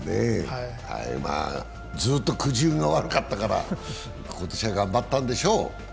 ずっとくじ運が悪かったから今年は頑張ったんでしょう。